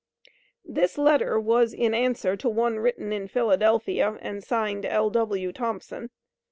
This letter was in answer to one written in Philadelphia and signed, "L.W. Thompson."